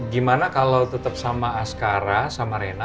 gimana kalau tetep sama askaran sama rena